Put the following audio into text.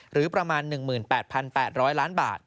หรือประมาณ๑๘๘๐๐ล้านบาท